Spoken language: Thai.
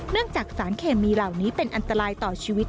จากสารเคมีเหล่านี้เป็นอันตรายต่อชีวิต